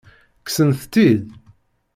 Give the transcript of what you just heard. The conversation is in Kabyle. Kksent-tt-id?